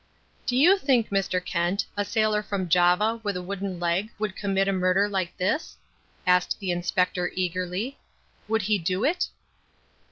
"Do you think, Mr. Kent, a sailor from Java with a wooden leg would commit a murder like this?" asked the Inspector eagerly. "Would he do it?"